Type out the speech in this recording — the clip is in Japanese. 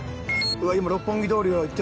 今六本木通りを行ってます。